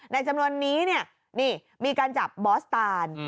จำนวนนี้นี่มีการจับบอสตาน